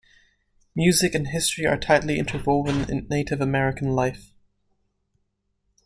Music and history are tightly interwoven in Native American life.